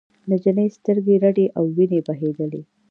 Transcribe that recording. نجلۍ سترګې رډې او وینې بهېدلې.